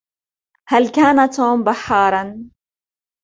هل كان توم بحاراً ؟